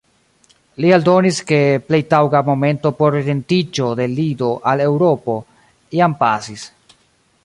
Li aldonis, ke plej taŭga momento por orientiĝo de lido al eŭro jam pasis.